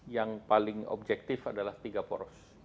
yang paling objektif adalah tiga poros